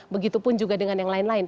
begitupun juga dengan yang lain lain